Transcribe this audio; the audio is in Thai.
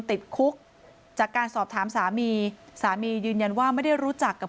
ติดคุกจากการสอบถามสามีสามียืนยันว่าไม่ได้รู้จักกับ